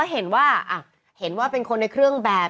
เห็นว่าเห็นว่าเป็นคนในเครื่องแบบ